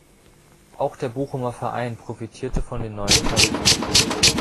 Auch der Bochumer Verein profitierte von den neuen Tarifen.